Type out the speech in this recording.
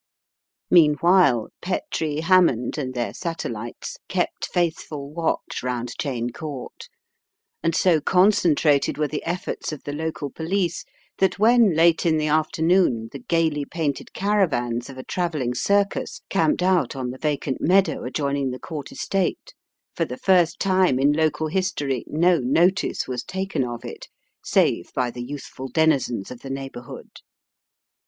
Meanwhile Fetrie, Hammond, and their satellites kept faithful watch round Cheyne Court, and so concentrated were the efforts of the local police that when late in the afternoon the gaily painted caravans of a travelling circus camped out on the vacant meadow adjoining the Court estate, for the first time in local history, no notice was taken of it, save by the youthful denizens of the neighbour hood.